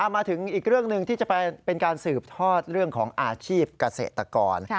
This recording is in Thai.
มาถึงอีกเรื่องหนึ่งที่จะเป็นการสืบทอดเรื่องของอาชีพเกษตรกร